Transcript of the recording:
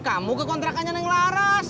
kamu kekontrakannya neng laras